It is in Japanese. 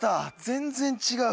全然違う」